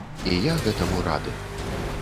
І я гэтаму рады.